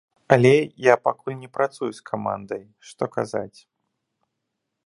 Але я пакуль не працую з камандай, што казаць.